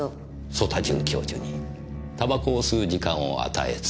曽田准教授に煙草を吸う時間を与えず。